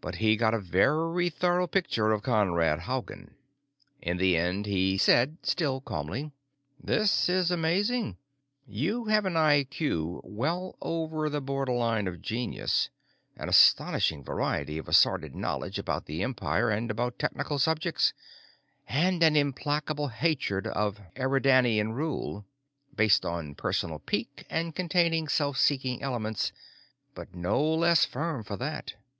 But he got a very thorough picture of Conrad Haugen. In the end he said, still calmly, "This is amazing. You have an IQ well over the borderline of genius, an astonishing variety of assorted knowledge about the Empire and about technical subjects, and an implacable hatred of Eridanian rule based on personal pique and containing self seeking elements, but no less firm for that.